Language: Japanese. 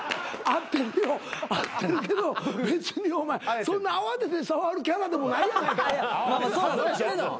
合ってるけど別にお前そんな慌てて触るキャラでもないやないか。